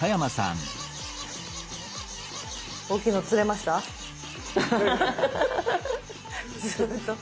大きいの釣れました？